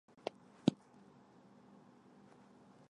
处於非常震惊的状态